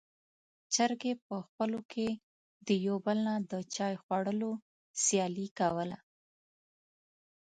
چرګې په خپلو کې د يو بل نه د چای خوړلو سیالي کوله.